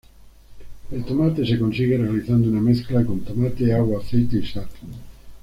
El tomate se consigue realizando una mezcla con tomate, agua, aceite y sal.